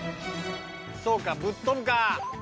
そうかぶっとぶか。